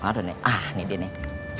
aduh nih ah ini dia nih